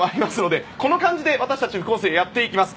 この感じで私たちは副音声をやっていきます。